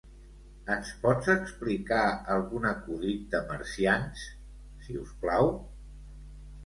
Ens pots explicar algun acudit de marcians, si us plau?